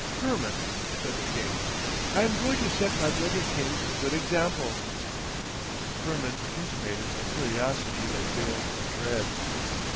'Firmin,' said the king, 'I am going to set my brother kings a good example.' Firmin intimated a curiosity that veiled a dread.